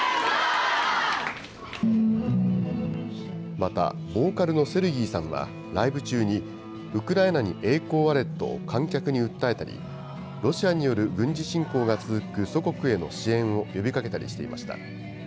また、ボーカルのセルギーさんは、ライブ中にウクライナに栄光あれと観客に訴えたり、ロシアによる軍事侵攻が続く祖国への支援を呼びかけたりしていました。